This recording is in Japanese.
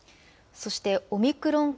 そして、オミクロン株。